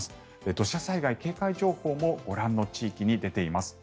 土砂災害警戒情報もご覧の地域に出ています。